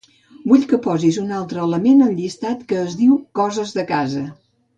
Vull que posis un altre element al llistat que es diu "coses de casa".